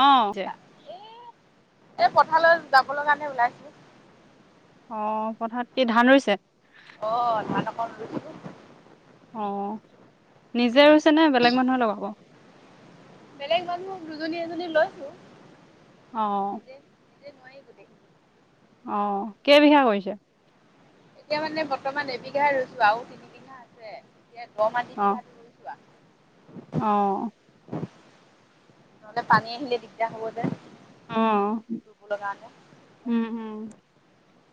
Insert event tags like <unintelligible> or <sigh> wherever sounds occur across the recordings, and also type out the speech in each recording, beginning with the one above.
অহ', যে। এহ, পথাৰালৈ যাবলৈ কাৰণে ওলাইছিলো। অহ', পথাৰত কি ধান ৰুইছে। অহ', ধান অকন ৰুইছে। অহ', নিজে ৰুছে নে বেলেগ মানুহে লগাব। বেলেগ মানুহ দুজনী এজনী লৈছো। অহ ', নিজে নিজে নোৱাৰি গোটেইখিনি। অহ', কেই বিঘা কৰিছে। এতিয়া মানে বৰ্তমান এবিঘাই ৰুইছো আৰু তিন বিঘা আছে। এতিয়া দ মাটি অ', বিঘাটো ৰুইছো আৰ। অ', নহ'লে পানী আহিলে দিগদাৰ হ'ব যে। অহ ৰুবলৈ কাৰণে ', উম- উম।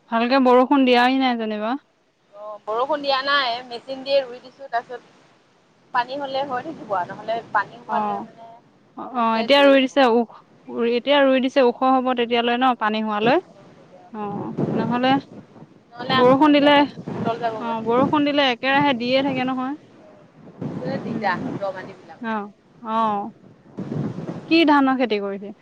ভালকে বৰষুণ দিয়াহি নাই যেনিবা। অহ ', বৰষুণ দিয়া নাই মেচিন দিয়ে ৰুই দিছো তাৰপিছত, পানী হ'লে হৈ থাকিব আৰু নহ'লে পানী হোৱালৈ অহ', মানে -অহ', ৰুলে এতিয়া দেৰি ৰুই হ'ব দিছে আৰু এতিয়া ৰুই দিছে। ওখ হ'ব তেতিয়ালৈ ন পানী হোৱালৈ, অহ ', নহ'লে নহ'লে আকৌ বৰষুণ তল দিলে যাব তল অহ যাবগৈ ', বৰষুণ দিলে একেৰাহে দিয়ে থাকে নহয়, উম। দিগদাৰ দ মাটিবিলাক অহ ', কি ধানৰ খেতি কৰিছে।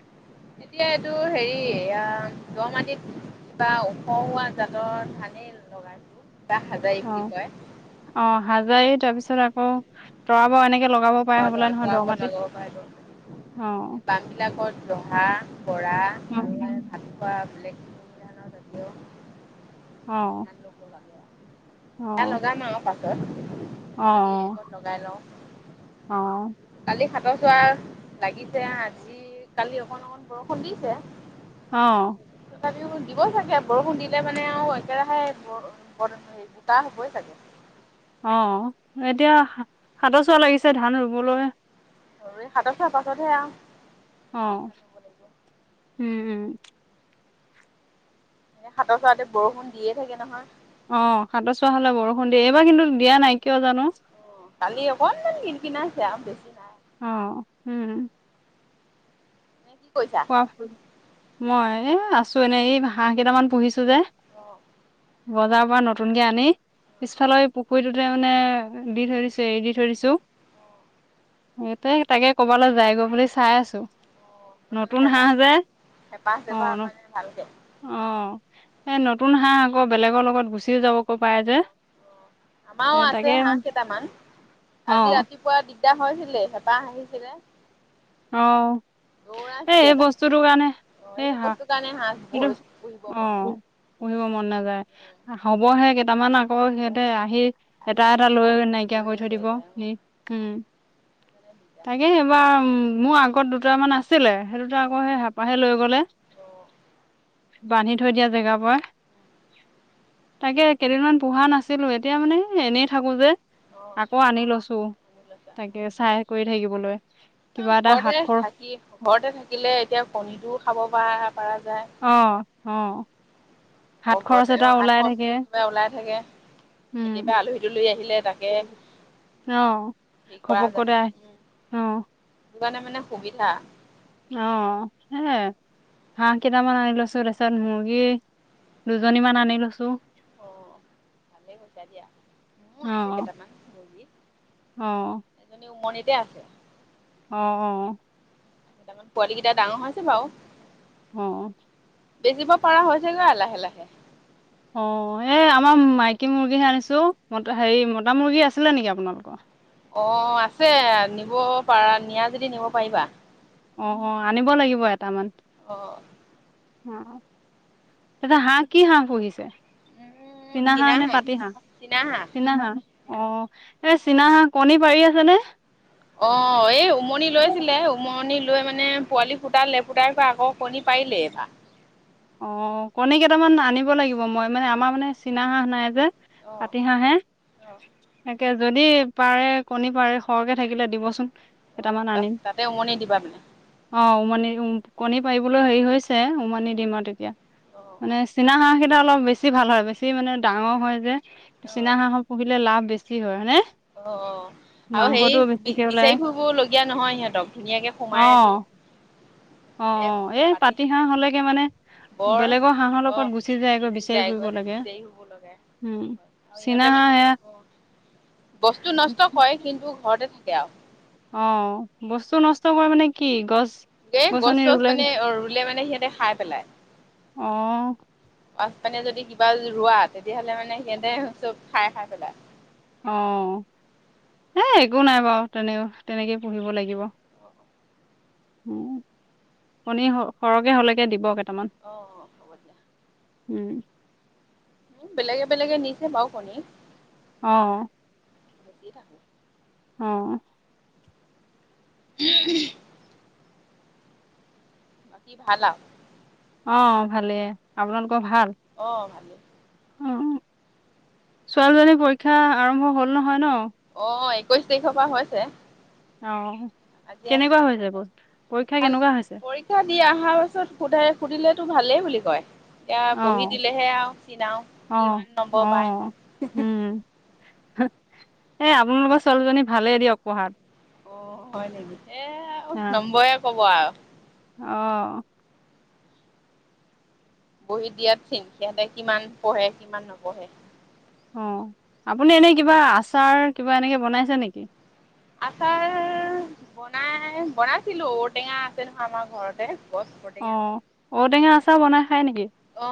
এতিয়া এইটো হেৰি এয়াই দ মাটিত কিবা ওখ হোৱা জাতৰ ধানেই লগাইছো। বা হাজাৰী বুলি অহ', কয়। - অহ', হাজাৰী তাৰপিছত আকৌ <unintelligible> এনেকে লগ <unintelligible> কৰা অ আৰু ভাত অ খোৱা বেলেগ <inaudible> অ'। <inaudible> এয়া লগাম আৰু পাক <unintelligible> আজি একত লগাই লওঁ। অহ লগচোৱা লাগিছে আজি কালি অকন অকন বৰষুণ দিছে। অ তথাপি দিবই চাগে বৰষুণ দিলে মানে আৰু একেৰাহে গোটা হবই চাগে অ এতিয়া সাতৰ চোৱা লাগিছে ধান ৰুবলৈ আৰু এই সাতত চাৰ পাছতহে আহ অ উম উম এ হাতৰ চৰাতে বৰষুণ দিয়ে থাকে নহয় অ সাত চোৱা হলে বৰষুণ দিয়ে এইবাৰ কিন্তু দিয়া নাই কিয় জানো কালি অকনমান কিন কিনাইছে আৰু বেছি নাই। অ উম নে কি কৰিছা? কোৱা মই এ আছো এনেই এই হাঁহ কেইটামান পুহিছো যে অ'। বজাৰৰ পৰা নতুনকে আনি পিছফালে পুখুৰীটোতে মানে দি থৈ দিছো এৰি দি থৈ দিছো গ তাকে কবালৈ যাইগৈ বুলি চাই আছো নহ'লে নতুন হেঁপাহ হাঁহ যে হেঁপাহ অ চেপাহ ন মানে ভালকে অ এই নতুন হাঁহ আকৌ বেলেগৰ লগত গুচি যাবকৈ পাৰে যে এ আমাৰ তাকে আছে হাঁহ মানে কেইটামান অ আজি ৰাতিপুৱা দি এতিয়া হৈছিলে হেঁপাহ আহিছিলে অ দৌৰাইছিলে এই এইবাৰ। বস্তুটোৰ কাৰণে অ' এই এইটো হ বস্তুৰ কাৰণে হাঁহ কিন্তু বহুত পুহিব অ মন পুহিব মন নাযায় হবহে কেতিয়া ত মান আকৌ সিহঁতে আহি আহি এটা এটা লৈ নাইকিয়া কৰি লৈয়ে থৈ লৈ দিব যায় সি অ'। উম মানে দিগদাৰ। তাকে এইবাৰ উম মোৰ আগত দুটামান আছিলে সেই দুটা আকৌ সেই হেঁপাহে লৈ গলে অ', বান্ধি থৈ দিয়া জেগাৰ পৰা তাকে কেইদিনমান পোহা নাছিলো এতিয়া মানে এনেই থাকো যে অ', অ'। আকৌ আনি লৈছো তাকে চাই কৰি থাকিবলৈ অ কিবা এটা হাত ঘৰতে খৰ থাকি ঘৰতে থাকিলে এতিয়া কণীটোও খাব পাৰা অ অ হাত খৰচ ঘৰত এটা শাক ওলাই থাকে খৰচটোৰ কিবা ওলাই থাকে উম কেতিয়াবা আলহী তুলহী আহিলে তাকে অ কি কৰা যায় ঘপককতে উম অ কাৰণে মানে সুবিধা অ সেয়ে হাঁহ কেইটামান আনি লৈছো তাৰপিছত মুৰ্গী দুজনী মান আনি লৈছো অ ভালে কৰিছা দিয়া মোৰ আছে কেইটামান মুৰ্গী অ এজনী উমনিতে আছে অ অ তাৰ পোৱালি কেইটা ডাঙৰ হৈছে বাৰু অ বেচিব পৰা হৈ হৈছেগৈ লাহে লাহে অ এই আমাৰ মাইকী মুৰ্গীহে আনিছো ম হেৰি মতা মুৰ্গী আছিলে নেকি আপোনালোকৰ। অ আছে নিব পাৰা নিয়া যদি নিব পাৰিবা। অ অ আনিব লাগিব এটামান। অ অ তাতে হাঁহ কি হাঁহ পুহিছে মোৰ চিনা হাঁহ নে চীনাহাঁহ পাতি হাঁহ চীনাহাঁহ চিনা হাঁহ অ এই চীনাহা কণী পাৰি আছে নে অ এই উমনি লৈছিলে উমনি লৈ মানে পোৱালি ফুটালে ফুটাই প আকৌ কণী পাৰিলেই এটা অ কণী কেইটামান আনিব লাগিব মই মানে আমাৰ মানে চীনা হাঁহ নাই যে আহ পাতি হাঁহে আহ তাকে যদি পাৰে কণী পাৰে সৰহকৈ থাকিলে দিবচোন অ কেইটামান তাত তাতে উমনি দিবা মানে উমানি উ কণী পাৰিবলৈ হেৰি হৈছে উমানি দিমাত তেতিয়া অ' মানে চিনা হাঁ খেই অলপ বেছি ভাল হয় বেছি মানে ডাঙৰ হয় যে অ' চীনা হাঁহৰ পুহিলে লাভ বেছি কি হয় হানে অ আৰু সে বি ওলাই বিচাৰি ফুৰিব লগীয়া নহয় সিহঁতক ধুনীয়াকে অ সোমাই আজি অ এ পাতি হাঁহ হলেগে মানে বৰ বেলেগৰ হাঁহৰ লগত গুচি যায়গৈ অুজি বিচাৰি ফুৰিব লাগে যায়গৈজ হুব লগাই উম আৰু চীনা ইিহঁতে মানে হাঁহ অ বস্তু সেয়া নষ্ট কৰে কিন্তু ঘৰতে থাক থাকেও অ বস্তু নষ্ট কৰি মানে কি গছ দেই গছ গছনি চছ ৰুলে মানে ৰুলে মানে সিহঁতে খাই পেলাই অ পাচ পানে যদি কিবা ৰোৱা তেতিয়াহ'লে মানে সিহঁতে চব খাই খাই পেলাই অ হ একো নাই বাৰু তেনে তেনেকে পুহিব লাগিব উ কণী সৰহকে হলেকে দিব কেইটামান অ হ'ব দিয়া উম উ বেলেগে বেলগে নিচে বও কণি অ বি ৰাঙ অ উ ব কি ভালা অ ভালেই আপোনালোক অ ভালে অ ছোৱালীজনী পৰীক্ষা আৰম্ভ হ'ল নহয় ন অ একৈশ তাৰিখৰ পৰা হৈছে অ আজি আছে কেনেকুৱা বাৰ হৈছে পৰীক্ষা ভাল কেনেকুৱা হৈছে পৰীক্ষা দি অহা পাছত সোধাই সুধিলে টো ভালেই বুলি কয় এতিয়া অ বহি দিলেহে আৰু চনাাও অ কিমান অ নম্বৰ পায় উম এ আপোনালোকৰ ছোৱালীজনী ভালে দিয়ক পঢ়াত অ হয় নেকি এ নম্বয় কম ওৱাৱ অ বহি দিয়াত চিন সিহঁতে কিমান পঢ়ে কিমান নপঢ়ে অঁ আপুনি এনেই কিবা আচাৰ কিবা এনেকৈ বনাইছে নেকি আচাৰ বনাই বনাইছিলো ঔটেঙা আছে নহয় আমাৰ ঘৰতে গছ অ ঔটেঙা গছ ঔটেঙা আচাৰ বনাই খাই নেকি অ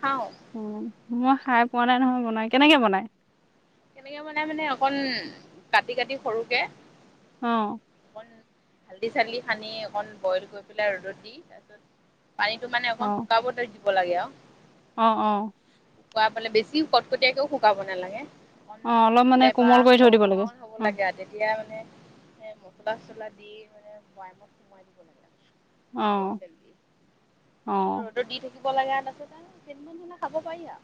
খাও উম মই খাই পোৱা নাই নহয় বনাই কেনেকে বনাই কেনেকে বনাই মানে অকন কাটি কাটি সৰুকে অ অকন হালধি চালধি খানি অকণ বইল কৰি পেলাই ৰ'দত দি তাৰ পিছত পানীটো মান অ অকমান শুকাব ধৰি ব'লাগে অ অ অ শুকুৱাইাবে বেছি কটকটীয়াকেও শুকাব নালাগে অকন অ অলপ মানে লেলেপা কোমল কৰি অ থৈ দিব লাগে কোমল হ'ব অ লাগে আৰু তেতিয়া মানে এ মচলা চচলা দি মানে বৈয়ামত সময় দিব লাগে অহ তেল চেল অহ দিব লাগে তাছত পিছত আৰু য খাব পাৰি আৰু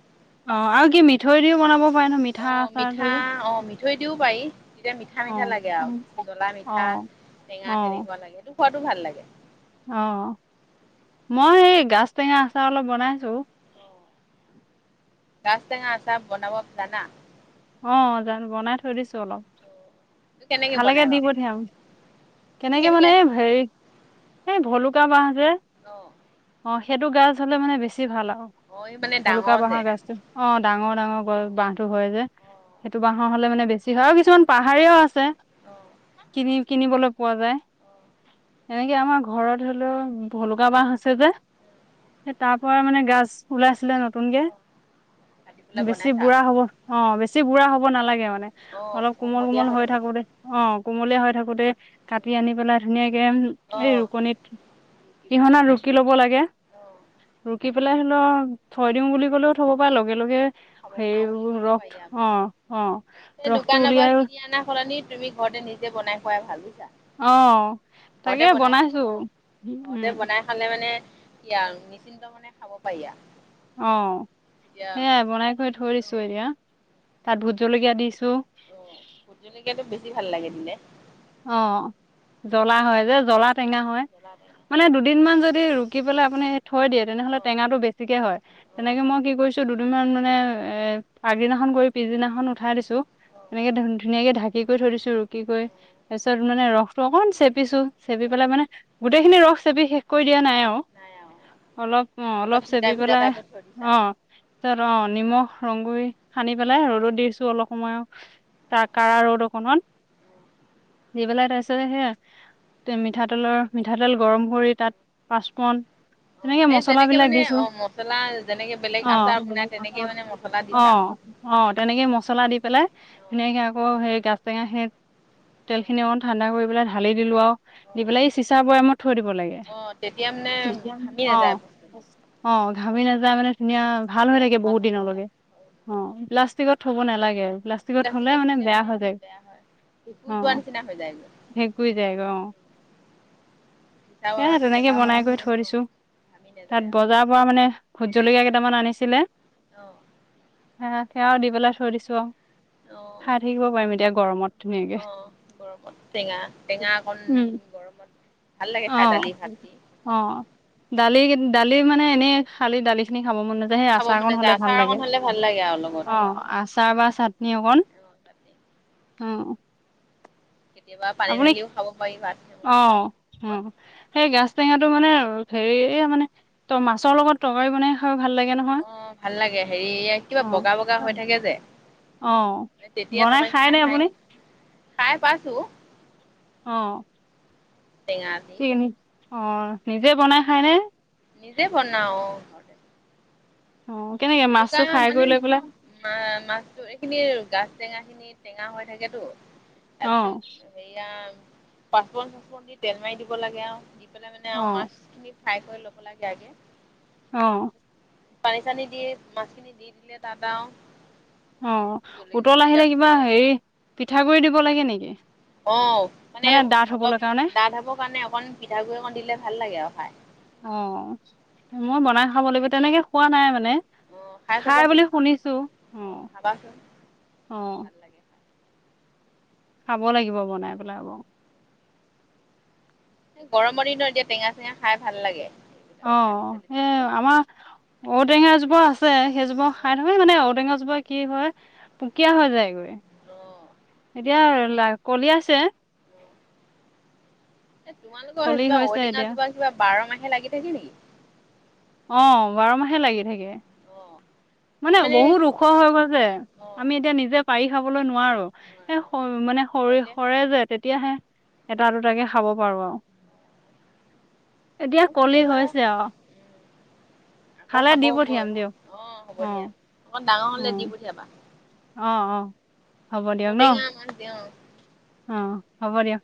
অ আৰু কি মিঠৈ দিও বনাব পাৰে ন মিঠা অ আচাৰটো মিঠা যে অ মিঠৈ দিও পাৰি তেতিয়া মিঠা অ মিঠা লাগে আৰু জ্বলা অ মিঠা অ টেঙা তেনেকুৱা লাগেত টো খোৱাাতটো ভাল লাগে অ মই এই গাজ টেঙা আচাৰ অলপ বনাইছো গাজ টেঙা আচাৰ বনাব জানা অ জানো বনাই থৈ দিছো অলপ এইটো কেনেকে খালেকে বনাই দি বাৰু পঠিয়াম কেনেকে মানে হেৰি এই ভলুকা বাঁহ যে অ অ সেইটো গাছ হলে মানে বেছি বেছি ভাল আৰু অ' এই মানে ভলুকা ডাঙৰ বহা যে। গছতো অ ডাঙৰ ডাঙৰ গছ বাহটো হয় যে সেইটো বাঁাহৰ হলে মানে বেছি হয় আৰু কিছুমান পাহাৰীয়াও আছে আছে কিনি কিনিবলৈ পোযা যায় এনেক আমাৰ ঘৰত ধৰি লও ভলুকা বাঁহ হৈছে যে তাৰ পৰা মানে গাজ ওলাইছিলে নতুনকৈ কাটি পেলাই বনাইছা অ বুঢ়া হব নালাগে অলপ কোমল কোমল হৈ থাকোতে অ কোমলে হৈ থাকোতে কাটি আনি পেলাই ধুনীয়াকে এই অ' ৰুকনিত পিচি পেলাই পিহনাত ৰুকি ল'ব লাগে অ' ৰুকি পেলাই ছয় দিং বুলি ও অ' থব প লগে লগে খাব খাওঁ বুলি সেইবোৰ ক'লেও ৰস পাৰি আৰু অ অ এই ৰসটো দোকানৰ পৰা উলিয়াই কিনি অনা সলনি তুমি ঘৰতে নিজে বনাই খোৱাই ভালো আহ তাকে বনাইছো অ উম। ই নিশ্চিন্ত মানে খাব পাৰিয়া। অ সেইয়াই বনাই কৰি থৈ দিছো এতিয়া। তাত ভোত জলকীয়া দিছ অ জলকীয়াাতটো বেছি ভাল লাগে দিলে। অ জ্বলা হয়। যে জলা জ্বলা তেঙা হেৰিটো হয় জ্বলা টেঙা মানে দুদিন মান যদি থাকি পেলাই আপুনি থৈ দিয়ে তেনেহলে অ টেঙাটো বেছিকে হয় অ অ তেনেকে মই কি কৰিছো মান মানে এ আগদিনাখন কৰি পিছদিনাখন উঠাই দিছো এনেকে ধ ধুনীয়াকে ঢাকি কৰি থৈ দিছো ৰুকি কৰি অ তাৰপিছত মানে ৰসটো অকণমান চেপিছোঁ চেপি অ পেলাই মানে গোটেইখিনি ৰস চেপি শেষ কৰি দিয়া নাই আৰু অলপ অ অলপ ভিজা চেপ ভিজা পেলাই টাইপত থৈ দিছা অ তাৰছত অ নিমখ ৰংগুৰি সানি পেলাই ৰ'দত দিছো অলপ সময় ত কা ৰ'দ অকনত। দি পেলাই তাৰছ সেয়া ত মিঠা লৰ মিঠাটো মিঠাতেল গৰম কৰি তাত পাঁচপন অ তেনেকে এই মছলা যেনেকে বিলাক মানে দিছো অ মছলা যেনেকে বেলেগ অ আচাৰ বনাই তেনেকে মানে মছলা অ দিছা। অ তেনেকে মছলা দি পেলাই অ ধুনীয়াকে আকৌ সেই গা টেঙা সেই তেলখিনি অকণ ঠাণ্ডা কৰিেলাই ঢালিিলোঁ আৰু দি পেলাই এই চিচাৰ বয়মত থৈ দিব লাগে অ তেতিয়া মানে ভামি অ নাযায় বস্তুটো অ। ভাবে ন মানে ধুনীয়া অ ভাল হয় তেতিয়া থাকে বহুত হৈ দিনৰ থাকে লগে আৰু। উম প্লাষ্টিক থই নালাগে আৰু। প্লাষ্টিক দিলে মানে বেয়া হয় ভেকু অ সেগ যায় গে অ। মিছা সে বৈয়ামত থলে তেনেকে মানে বনাই কৰি অ থৈ দিছো ভামি নাযায় তাত আৰু বজাৰৰ পৰা মানে জলকীয়া কেইটামান আনিছিলে! অহ। সেয়াওঁ দি পেলাই থৈ দিছো আৰু। খাই থাকিব পাৰিম এতিয়া গৰমত ধুনীয়াকে। বৰফত টেঙা-টেঙা অকণ উম গৰমত ভাল লাগে খাই দালি ভাত দি। দালি-দালি মানে এনেই খালি দালি খিনি। খাব মন নাযায় সেই খাব আচাৰ মন অকণ নাযায় হলে ভাল আচাৰ অকণ লাগে হ'লে ভাল লাগে আৰু লগত অহ আচাৰ বা চাটনি অকণ। অ চাটনি অহ। কেতিয়াবা পানী ঢালিওঁ খাব পাৰি ভাত অ অ সেইবোৰ। সেই গাছ টেঙাটো মানে হেৰি মানে ত মাছৰ লগত তৰকাৰী বনাই খাই। ভাল লাগে নহয় অহ ভাল লাগে হেৰি অ কিবা বগা-বগা হৈ থাকে যে অ তেতিয়া বনাই টৰকাৰি খায় মনে নে খাই আপুনি নেকি। খায় পাইছো। অহ টেঙা দি। অহ নিজে বনাই খায়নে। নিজে বনাওঁ। অহ দে। অ কেনেকে গোলুকা মাছটো ফ্ৰাই মানে কৰি লৈ পেলাই মা মাছটো এইখিনিৰ গাত। টেঙা খিনি টেঙা হৈ থাকেতো। অ তাৰপিছত হেয়া। পাচফুৰন-চাহফুৰন দি তেল মাৰি দিব লাগে আৰু। পেলাই মানে অ আৰু মাছ খিনি। ফ্ৰাই কৰি ল'ব লাগে আগে। অহ। পানী চানী দিয়ে। মাছখিনি দি দিলে তাৰপৰা আৰু। অহ জলকীয়া উতল জলকীয়া আহিলে কিবা হেৰি অ' পিঠাগুৰি দিব লাগে নেকি? অহ মানে ডাঠ হবলৈ অলপ কাৰণে ডাঠ হবৰ কাৰণে অকণ পিঠাগুৰি অকণ দিলে ভাল লাগে আৰু খাই। অ মই বনাই খাব লাগিব তেনেকে খোৱা নাই মানে। খাই বুলি শুনিছো। খাবা চোন। অহ। খাব লাগিব বনাই অ পেলাই আকৌ। গৰমৰ দিনৰত এতিয়া টেঙা চেঙা খাই ভাল লাগে। দালি চালি অহ এ থাকি আমাৰ। ঔটেঙা এজোপা আছে। সেইজোপা অ', খাই থাকে মানে ঔটেঙা জোপা। কি হয় পুকীয়া হৈ যায় গৈ। অ', এতিয়া বেছি লাই কলি আছে। এ তোমালোকৰ সেই কলি ফালে <inaudible> হৈছে এতিয়া ঔটেঙাোািবা বাৰ ম হে লাগি থাকে নেকি? অ বাৰ মাহে লাগি থাকে। অ', মানে বহুত ওখ হৈ গৈছে অ', আমি এতিয়া নিজে পাৰি।। খাবলৈ নোৱাৰো। সেই মানে সৰ কৰিলে সৰে যে তেতিয়াহে।। এটা দুটাকে খাব পাৰো আৰু। এতিয়া মোৰ কলি কেতিয়াবা হৈছে আৰু উম, আকৌ খালে খাব দি হ'বই পঠিয়াম দিয়ক। অ হ'ব অ দিয়া। ডাঙৰ অ হলে দি পঠিয়াবা। অ অ। হ'ব দিয়ক ন পঠিয়াম দিয়ক। অ হ'ব দিয়ক।